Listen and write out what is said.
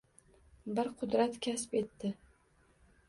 Bir qudrat kasb etdi.